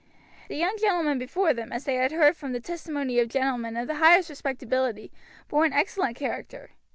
The young gentleman before them, as they had heard from the testimony of gentlemen of the highest respectability, bore an excellent character.